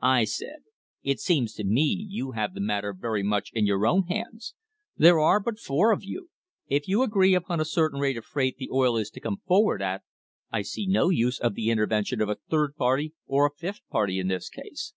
I said, It seems to me you have the matter very much in your own hands; there are but four of you; if you agree upon a certain rate of freight the oil is to come forward at, I see no use of the intervention of a third party or a fifth party in this case.